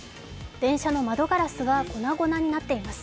電車の窓ガラスが粉々になっています。